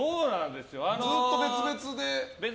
ずっと別々で。